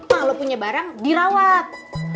kalau punya barang dirawat